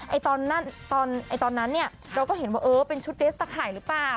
ตอนนั้นตอนนั้นเนี่ยเราก็เห็นว่าเออเป็นชุดเดสตะไข่หรือเปล่า